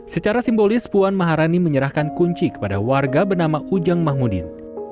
secara simbolis puan maharani menyerahkan kunci kepada warga bernama ujang mahmudin